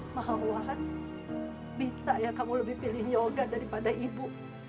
mawar bisa ya kamu lebih pilih yogar daripada ibu